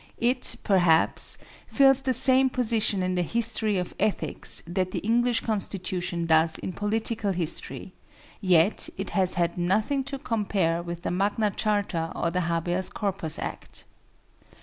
It, perhaps, fills the same position in the history of ethics that the English Constitution does in political history; yet it has had nothing to compare with the Magna Charta or the Habeas Corpus Act.